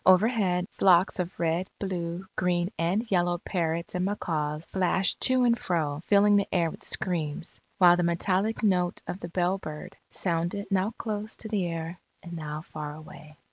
Overhead, flocks of red, blue, green, and yellow parrots and macaws flashed to and fro filling the air with screams; while the metallic note of the bellbird, sounded now close to the ear and now far away.